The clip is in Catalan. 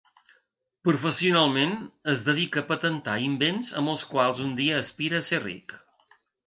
Professionalment, es dedica a patentar invents amb els quals un dia aspira a ser ric.